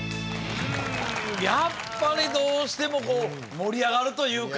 やっぱりどうしてもこう盛り上がるというか。